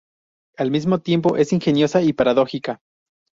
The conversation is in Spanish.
Al mismo tiempo es ingeniosa y paradójica.